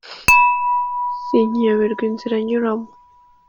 Sinkiyoberwa inzira nyuramo